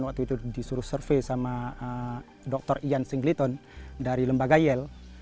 waktu itu disuruh survei sama dokter ian singleton dari lembaga yale